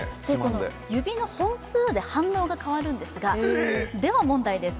指の本数で反応が変わるんですがでは問題です。